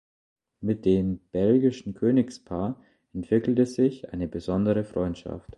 Mit dem belgischen Königspaar entwickelte sich eine besondere Freundschaft.